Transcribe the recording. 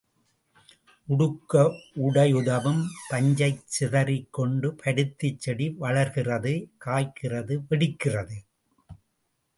உடுக்க உடையுதவும் பஞ்சைக் சிதறிக் கொண்டு பருத்திச் செடி வளர்கிறது, காய்க்கிறது, வெடிக்கிறது.